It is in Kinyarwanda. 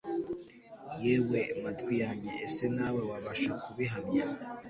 yewe matwi yanjye ese nawe wabasha kubihamya